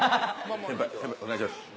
先輩お願いします。